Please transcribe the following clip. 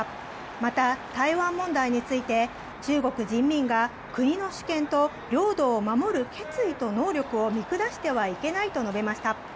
また、台湾問題について中国人民が国の主権と領土を守る決意と能力を見下してはいけないと述べました。